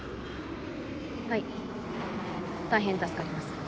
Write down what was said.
はい。大変助かります。